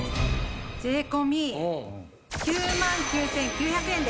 税込９万９９００円で。